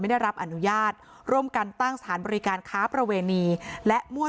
ได้รับอนุญาตร่วมกันตั้งสถานบริการค้าประเวณีและมั่ว